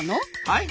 はい？